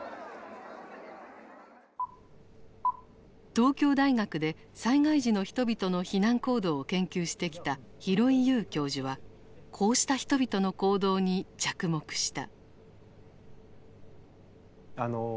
東京大学で災害時の人々の避難行動を研究してきた廣井悠教授はこうした人々の行動に着目した。